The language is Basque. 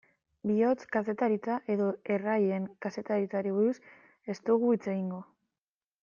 Bihotz-kazetaritza edo erraien kazetaritzari buruz ez dugu hitz egingo.